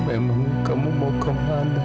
memang kamu mau kemana